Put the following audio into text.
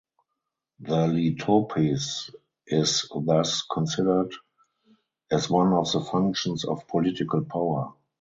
The letopis is thus considered as one of the functions of political power.